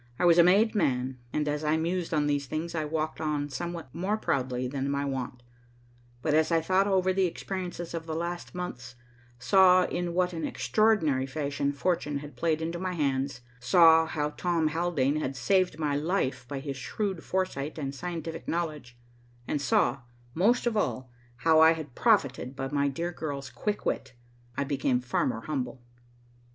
I was a made man, and as I mused on these things I walked on somewhat more proudly than my wont, but as I thought over the experiences of the last months, saw in what an extraordinary fashion fortune had played into my hands, saw how Tom Haldane had saved my life by his shrewd foresight and scientific knowledge, and saw, most of all, how I had profited by my dear girl's quick wit, I became far more humble.